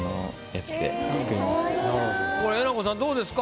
これえなこさんどうですか？